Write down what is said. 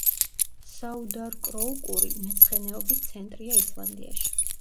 საუდარკროუკური მეცხენეობის ცენტრია ისლანდიაში.